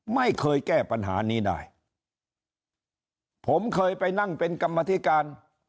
ไม่เคยแก้ปัญหานี้ได้ผมเคยไปนั่งเป็นกรรมธิการ